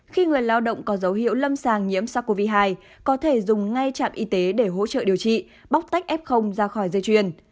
khi người lao động có dấu hiệu lâm sàng nhiễm sars cov hai có thể dùng ngay trạm y tế để hỗ trợ điều trị bóc tách f ra khỏi dây chuyền